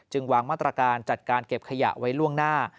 วางมาตรการจัดการเก็บขยะไว้ล่วงหน้า